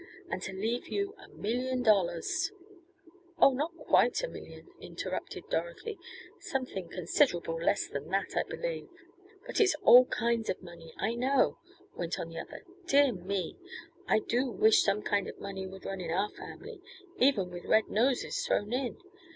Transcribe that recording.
And to leave you a million dollars " "Oh, not quite a million," interrupted Dorothy. "Something considerable less than that, I believe." "But it's all kinds of money I know," went on the other. "Dear me! I do wish some kind of money would run in our family even with red noses thrown in.